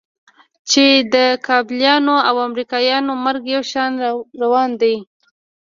چې د کابليانو او امريکايانو مرګ يو شان روا دى.